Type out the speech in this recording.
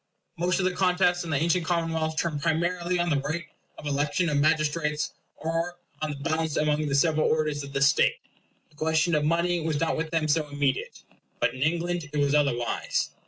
Most of the contests in the ancient commonwealths turned primarily on the right of election of magistrates; or on the balance among the several orders of the state. The question of money was not with them so immediate. But in England it was otherwise.